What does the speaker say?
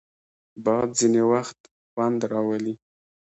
باد ځینې وخت خوند راولي